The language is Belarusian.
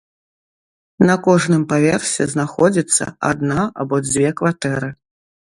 На кожным паверсе знаходзіцца адна або дзве кватэры.